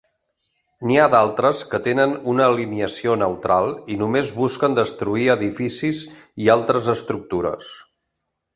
N'hi ha d'altres que tenen una alineació neutral i només busquen destruir edificis i altres estructures.